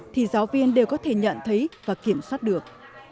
thì giáo viên đều có thể nhận thấy và kiểm soát được